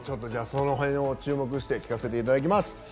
その辺を注目して聴かせていただきます。